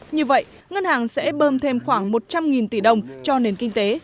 như vậy ngân hàng sẽ bơm thêm khoảng một trăm linh tỷ đồng cho nền kinh tế